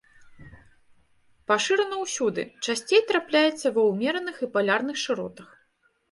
Пашырана ўсюды, часцей трапляецца ва ўмераных і палярных шыротах.